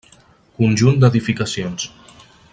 Conjunt d'edificacions.